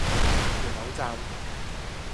元朗站